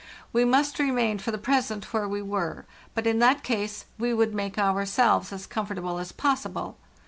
We must remain for the present where we were; but in that case we would make ourselves as comfortable as possible.